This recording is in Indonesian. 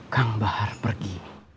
kang bahar pergi